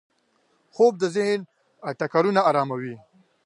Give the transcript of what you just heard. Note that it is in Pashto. خوب د ذهن ټکرونه اراموي